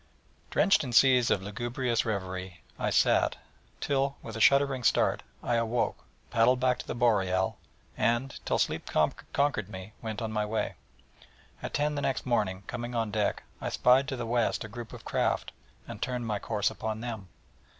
Drenched in seas of lugubrious reverie I sat, till, with a shuddering start, I awoke, paddled back to the Boreal, and, till sleep conquered me, went on my way. At ten the next morning, coming on deck, I spied to the west a group of craft, and turned my course upon them.